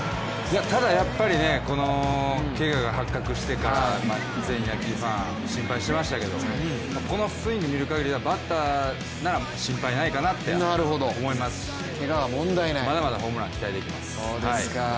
ただ、やっぱりこのけがが発覚してから全野球ファン心配していましたけれども、このスイング見るかぎりバッターなら心配ないかなって思いますしまだまだホームラン、期待できます。